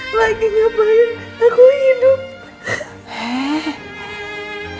lagi ngapain aku hidup